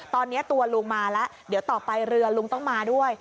ตอนนี้ตัวลุงมาแล้วเดี๋ยวต่อไปเรือลุงต้องมาด้วย